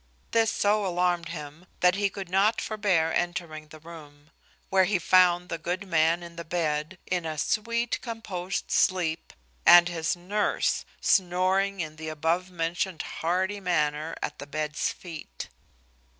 This so alarmed him, that he could not forbear entering the room; where he found the good man in the bed, in a sweet composed sleep, and his nurse snoring in the above mentioned hearty manner, at the bed's feet.